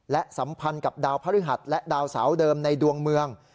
และสัมพันธ์กับดาวพระฤหัสและดาวเสาเดิมในดวงเมือง